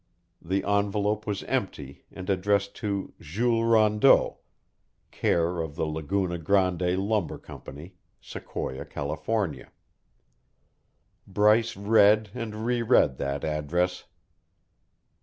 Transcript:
The envelope was empty and addressed to Jules Rondeau, care of the Laguna Grande Lumber Company, Sequoia, California. Bryce read and reread that address.